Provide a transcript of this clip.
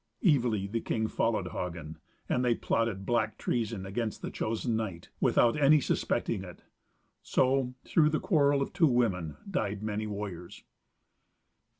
Evilly the king followed Hagen, and they plotted black treason against the chosen knight, without any suspecting it. So, through the quarrel of two women, died many warriors.